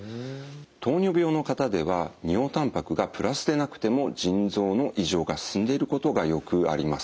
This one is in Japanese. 糖尿病の方では尿たんぱくが＋でなくても腎臓の異常が進んでいることがよくあります。